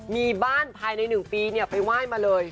มีบ้านภายใน๑ปีไปไหว้มาเลย